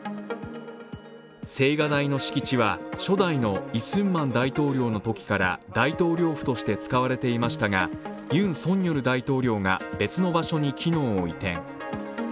青瓦台の敷地は初代のイ・スンマン大統領のときから大統領府として使われていましたがユン・ソンニョル大統領が別の場所に機能を移転。